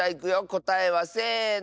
こたえはせの。